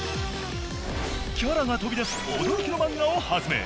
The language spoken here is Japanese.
キャラが飛び出す驚きの漫画を発明